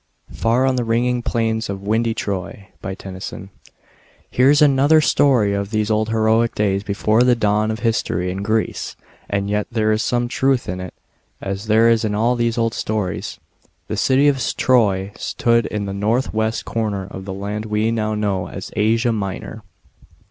" Far on the ringing plains of windy Troy." TENNYSON. HERE is another story of these old heroic days before the dawn of history in Greece. And yet there is some truth in it, as there is in all these old stories. The city of Troy stood in the north west corner of the land we now know as Asia Minor.